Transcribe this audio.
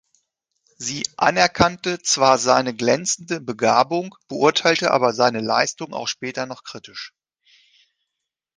Sie anerkannte zwar seine glänzenden Begabungen, beurteilte aber seine Leistungen auch später noch kritisch.